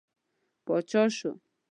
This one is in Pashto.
پاچا شو.